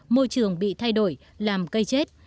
môi trường bị thay đổi làm cây chết